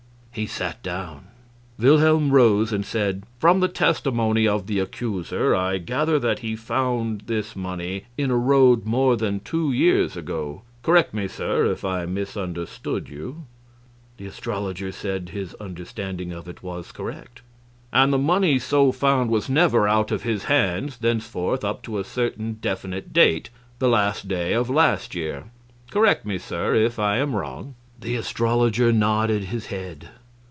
He sat down. Wilhelm rose and said: "From the testimony of the accuser I gather that he found this money in a road more than two years ago. Correct me, sir, if I misunderstood you." The astrologer said his understanding of it was correct. "And the money so found was never out of his hands thenceforth up to a certain definite date the last day of last year. Correct me, sir, if I am wrong." The astrologer nodded his head.